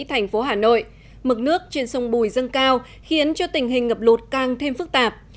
thành phố hà nội mực nước trên sông bùi dâng cao khiến cho tình hình ngập lụt càng thêm phức tạp